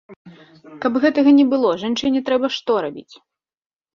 Каб гэтага не было, жанчыне трэба што рабіць?